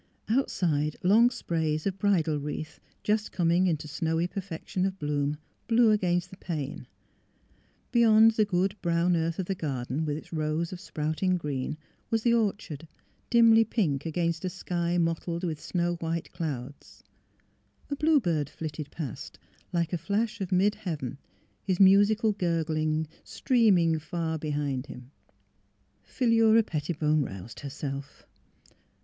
Outside long sprays of bridal wreath, just coming into snowy perfection of bloom, blew against the pane. Beyond the good brown earth of the garden with its rows of sprout MILLSTONES AND OPPORTUNITIES 141 iug green was the orchard, dimly pink against a sky mottled with snow white clouds. A bluebird flitted past, like a flash of mid heaven, his musical gurgle streaming far behind him. Philura Pettibone roused herself.